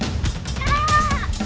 bukannya bantuin dia